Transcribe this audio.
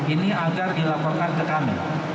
ini agar dilaporkan ke kami